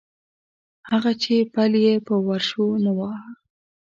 هغه چې پل یې په ورشو نه واهه.